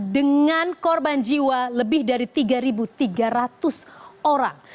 dengan korban jiwa lebih dari tiga tiga ratus orang